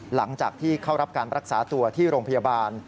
หลังจากที่เข้ารับการรักษาตัวที่โรงพยาบาล